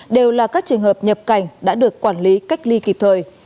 đều là các trường hợp nhập cảnh đã được quản lý cách ly kịp thời